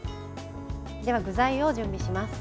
では、具材を準備します。